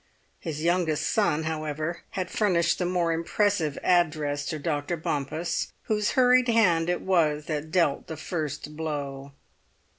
His youngest son, however, had furnished the more impressive address to Dr. Bompas, whose hurried hand it was that dealt the first blow.